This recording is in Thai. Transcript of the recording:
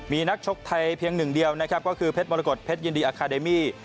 มีนักชกไทยเพียงหนึ่งเดียวนะครับก็คือเพชรมรกฏเพชรยินดีอาคาเดมี่